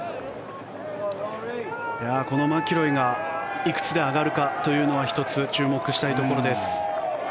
このマキロイがいくつで上がるかというのは１つ、注目したいところです。